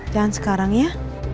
jangan sekarang ya